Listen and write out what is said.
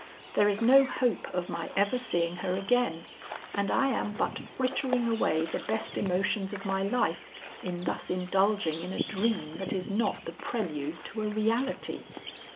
"There is no hope of my ever seeing her again, and I am but frittering away the best emotions of my life in thus indulging in a dream that is not the prelude to a reality."